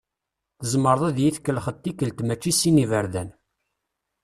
Tzemreḍ ad iyi-tkelḥeḍ tikkelt mačči sin n yiberdan.